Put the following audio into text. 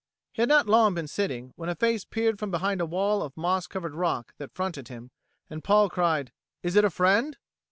He had not long been sitting, when a face peered from behind a wall of moss covered rock that fronted him, and Paul cried, "Is it a friend?"